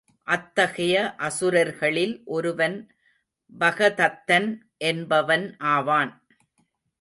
அத்தகையை அசுரர்களில் ஒருவன் பகதத்தன் என்பவன் ஆவான்.